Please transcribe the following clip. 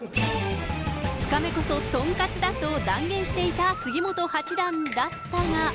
２日目こそ豚カツだと断言していた杉本八段だったが。